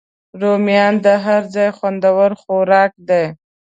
رومیان د هر ځای خوندور خوراک دی